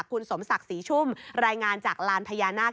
คุณสมศักดิ์ศรีชุ่มรายงานจากลานพญานาค